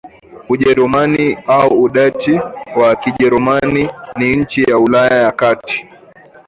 Ujerumani au Udachi kwa Kijerumani ni nchi ya Ulaya ya kati